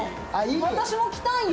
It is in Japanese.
私も着たいよ。